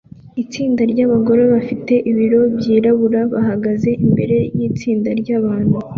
Itsinda ryabagore bafite ibibo byirabura bahagaze imbere yitsinda ryabantu